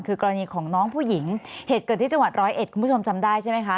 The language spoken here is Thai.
คือกรณีของน้องผู้หญิงเหตุเกิดที่จังหวัดร้อยเอ็ดคุณผู้ชมจำได้ใช่ไหมคะ